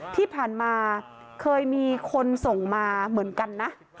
ที่ผ่านมาเคยมีคนส่งมาเหมือนกันนะ